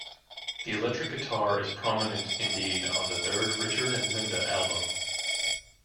The electric guitar is prominent indeed on the third Richard and Linda album.